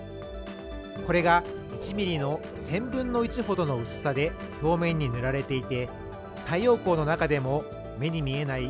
これが１ミリの１０００分の１ほどの薄さで表面に塗られていて太陽光の中でも目に見えない